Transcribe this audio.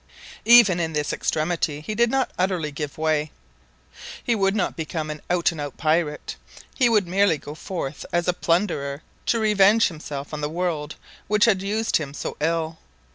Even in this extremity he did not utterly give way. He would not become an out and out pirate. He would merely go forth as a plunderer to revenge himself on the world which had used him so ill.